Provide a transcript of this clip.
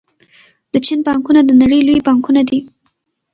د چین بانکونه د نړۍ لوی بانکونه دي.